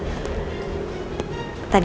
kali kalogs snap bersusuri